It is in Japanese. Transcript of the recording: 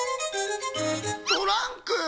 トランク！